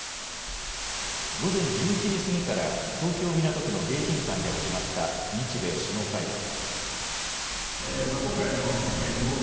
午前１１時過ぎから、東京・港区の迎賓館で始まった日米首脳会談。